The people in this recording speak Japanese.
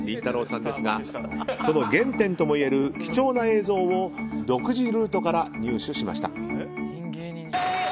さんですがその原点ともいえる貴重な映像を独自ルートから入手しました。